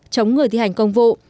chống người thi hành công vụ